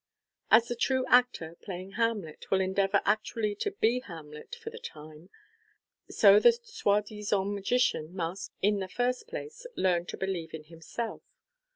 As the true actor, playing Hamlet, will endeavour actually to be Hamlet for the time, so the soi disant magician must, in the first place, learn to believe in himself.